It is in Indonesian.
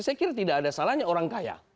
saya kira tidak ada salahnya orang kaya